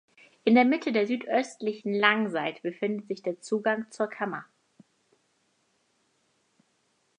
In der Mitte der südöstlichen Langseite befindet sich der Zugang zur Kammer.